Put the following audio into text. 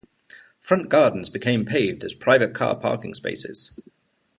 Front gardens became paved as private car parking spaces.